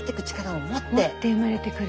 持って生まれてくる。